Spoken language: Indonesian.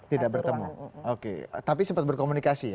tidak bertemu oke tapi sempat berkomunikasi ya